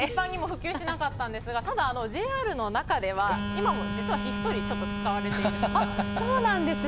普及しなかったんですがただ、ＪＲの中では今もひっそり使われているそうです。